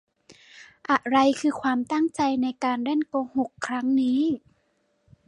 อะไรคือความตั้งใจในการเล่นโกหกครั้งนี้ ?